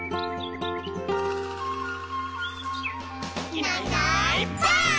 「いないいないばあっ！」